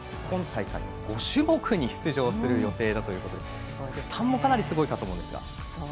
今大会５種目に出場する予定だということで負担もかなりすごいかと思いますが。